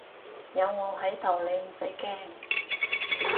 有我喺度你唔使驚